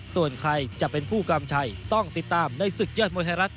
ส่วนใครจะเป็นผู้กำชัยต้องติดตามในศึกยอดมวยไทยรัฐ